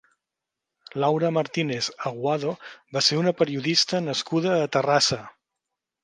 Laura Martínez Aguado va ser una periodista nascuda a Terrassa.